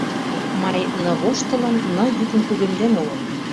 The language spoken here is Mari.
Май ны воштылын, ны йӱкым кугемден огыл.